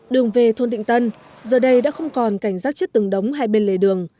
đường về thôn định tân giờ đây đã không còn cảnh rác chất từng đóng hai bên lề đường